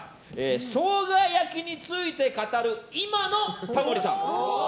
ショウガ焼きについて語る今のタモリさん。